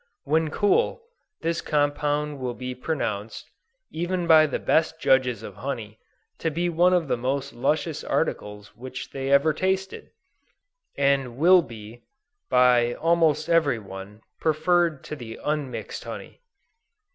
When cool, this compound will be pronounced, even by the best judges of honey, to be one of the most luscious articles which they ever tasted; and will be, by almost every one, preferred to the unmixed honey.